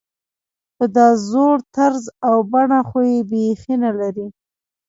په دا زوړ طرز او بڼه خو یې بېخي نلري.